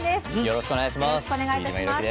よろしくお願いします。